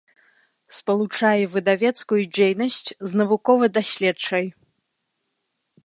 Спалучае выдавецкую дзейнасць з навукова-даследчай.